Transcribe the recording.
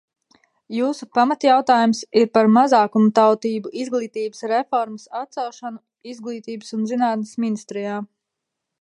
Jūsu pamatjautājums ir par mazākumtautību izglītības reformas atcelšanu Izglītības un zinātnes ministrijā.